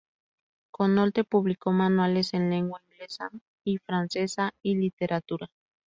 Con Nolte publicó manuales en lengua inglesa y francesa y literatura.